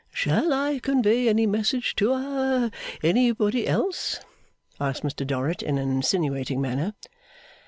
'Shall I convey any message to ha anybody else?' asked Mr Dorrit, in an insinuating manner.